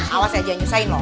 awas aja jangan nyusahin lho